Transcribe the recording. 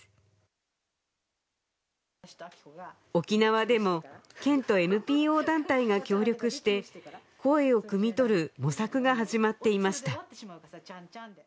沖縄でも県と ＮＰＯ 団体が協力して声をくみ取る模索が始まっていました